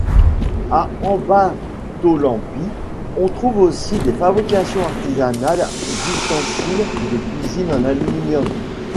À Ambatolampy on trouve aussi des fabrications artisanales d'ustensiles de cuisine en aluminium.